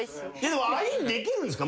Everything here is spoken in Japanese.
でもアインできるんですか？